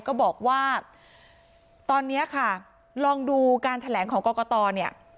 ก็บอกว่าตอนนี้ค่ะลองดูการแถลงของกรกตเนี่ย